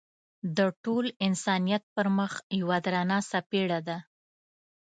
د ټول انسانیت پر مخ یوه درنه څپېړه ده.